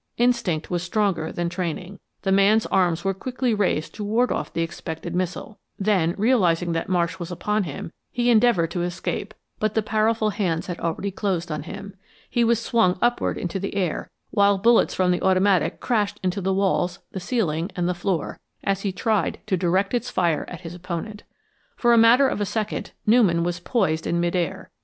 Instinct was stronger than training. The man's arms were quickly raised to ward off the expected missile. Then, realizing that Marsh was upon him, he endeavored to escape, but the powerful hands had already closed on him. He was swung upward into the air, while bullets from the automatic crashed into the walls, the ceiling and the floor, as he tried to direct its fire at his opponent. For the matter of a second, Newman was poised in midair.